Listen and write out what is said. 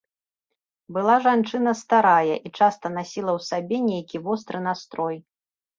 Была жанчына старая і часта насіла ў сабе нейкі востры настрой.